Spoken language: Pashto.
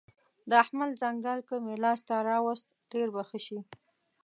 د احمد ځنګل که مې لاس ته راوست؛ ډېر به ښه شي.